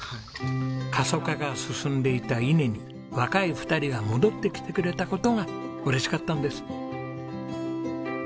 過疎化が進んでいた伊根に若い２人が戻ってきてくれた事が嬉しかったんです。